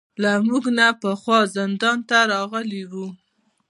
له موږ نه پخوا زندان ته راغلي وو.